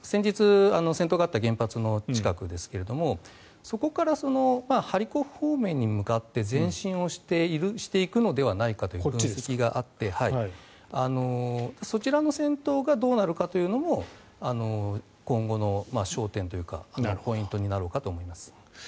先日、戦闘があった原発の近くですがそこからハリコフ方面へ向かって前進していくのではないかという動きがあってそちらの戦闘がどうなるかというのも今後の焦点というかポイントになるかと思います。